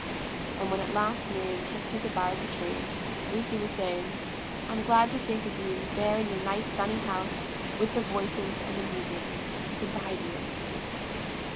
And when at last Miriam kissed her good bye at the train, Lucy was saying, 'I'm glad to think of you, there in your nice sunny house, with the Voices, and the Music. Good bye, dear.'